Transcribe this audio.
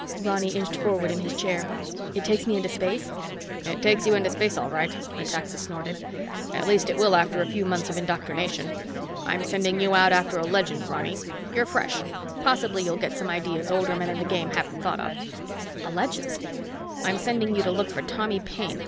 Ronny inched forward in his chair. "It takes me into space?" "It takes you into space all right," Metaxa snorted. "At least it will after a few months of indoctrination. I'm sending you out after a legend, Ronny. You're fresh, possibly you'll get some ideas older men in the game haven't thought of." "A legend?" "I'm sending you to look for Tommy Paine.